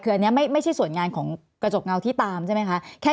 คืออันนี้ไม่ใช่ส่วนงานของกระจกเงาที่ตามใช่ไหมคะ